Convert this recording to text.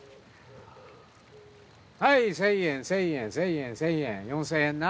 はい１０００円１０００円１０００円１０００円４０００円な。